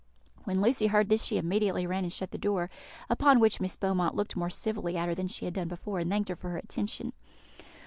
When Lucy heard this she immediately ran and shut the door, upon which Miss Beaumont looked more civilly at her than she had done before, and thanked her for her attention.